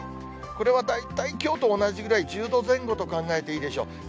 これは大体きょうと同じぐらい、１０度前後と考えていいでしょう。